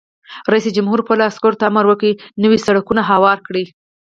رئیس جمهور خپلو عسکرو ته امر وکړ؛ نوي سړکونه هوار کړئ!